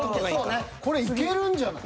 これいけるんじゃない？